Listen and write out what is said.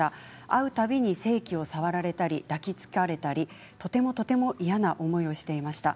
会うたびに性器を触られたり抱きつかれたりとてもとても嫌な思いをしていました。